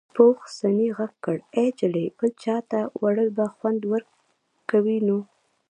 پوخ سنې غږ کړ ای جلۍ بل چاته وړل به خوند ورکوي نو.